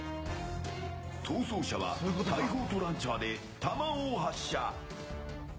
逃走者は大砲とランチャーで弾を発射。